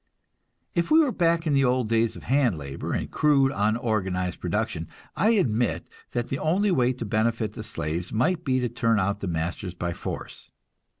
If we were back in the old days of hand labor and crude, unorganized production, I admit that the only way to benefit the slaves might be to turn out the masters by force.